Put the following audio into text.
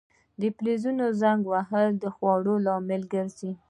د فلزونو زنګ وهل د خوړلو لامل ګرځي.